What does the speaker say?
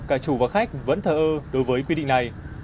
cả chủ và khách vẫn thờ ơ đối với quy định này